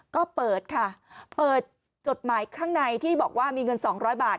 ก็เปิดค่ะเปิดจดหมายข้างในที่บอกว่ามีเงิน๒๐๐บาท